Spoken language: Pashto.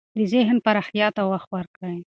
د ذهن پراختیا ته وخت ورکړئ.